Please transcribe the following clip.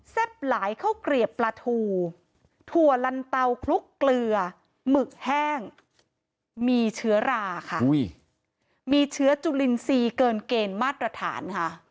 หลายข้าวเกลียบปลาทูถั่วลันเตาคลุกเกลือหมึกแห้งมีเชื้อราค่ะมีเชื้อจุลินทรีย์เกินเกณฑ์มาตรฐานค่ะ